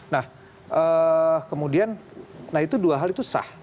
nah kemudian nah itu dua hal itu sah